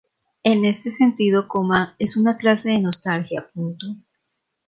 En este sentido, es una clase de nostalgia.